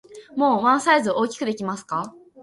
もうワンサイズ大きくできますか？